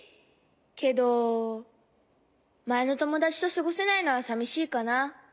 けどまえのともだちとすごせないのはさみしいかな。